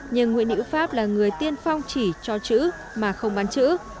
nhưng nguyễn nữ pháp là người tiên phong chỉ cho chữ mà không bán chữ